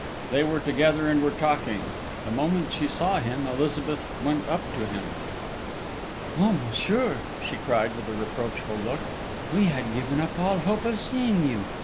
They were together and were talking. The moment she saw him, Elizabeth went up to him. "Ah, monsieur!" she cried, with a reproachful look. "We had given up all hope of seeing you....